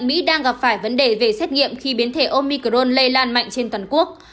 mỹ đang gặp phải vấn đề về xét nghiệm khi biến thể omicron lây lan mạnh trên toàn quốc